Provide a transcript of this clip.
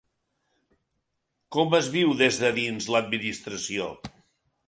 Com es viu des de dins de l’administració?